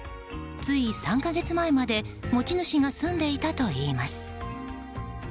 つい３か月前まで持ち主が住んでいたといいます。